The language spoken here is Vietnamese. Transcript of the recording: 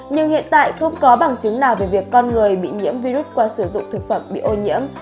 nhưng hiện tại không có bằng chứng nào về việc con người bị nhiễm virus qua sử dụng thực phẩm bị ô nhiễm